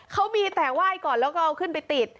เขามีแต่ไหว้ก่อนละเอาออกผึ้นไปติด